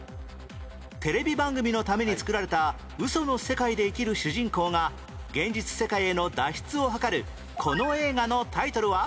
テレビ番組のために作られたウソの世界で生きる主人公が現実世界への脱出をはかるこの映画のタイトルは？